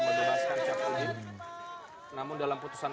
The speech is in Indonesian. mebebaskan syafruddin namun dalam putusan